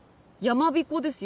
やまびこ。